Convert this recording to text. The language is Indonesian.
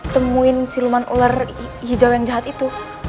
temuin siluman ular hijau yang jahat itu